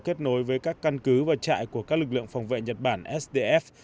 kết nối với các căn cứ và trại của các lực lượng phòng vệ nhật bản sdf